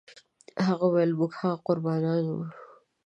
هغه ویل موږ هغه قربانیان یو.